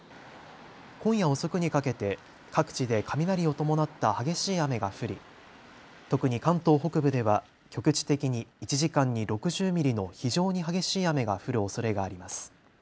今夜遅くにかけて各地で雷を伴った激しい雨が降り、特に関東北部では局地的に１時間に６０ミリの非常に激しい雨が降るおそれがあります。